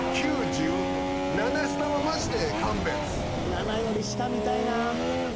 ７より下見たいな。